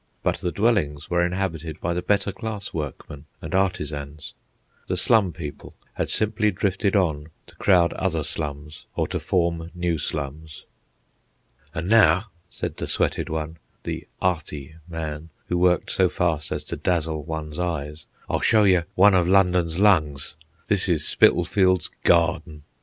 But the dwellings were inhabited by the better class workmen and artisans. The slum people had simply drifted on to crowd other slums or to form new slums. "An' now," said the sweated one, the 'earty man who worked so fast as to dazzle one's eyes, "I'll show you one of London's lungs. This is Spitalfields Garden."